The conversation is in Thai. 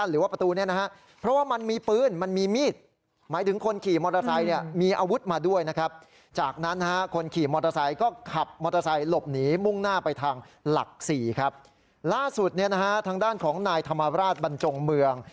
ล่าสุดทางด้านของนายธรรมราชบัญจงเมือง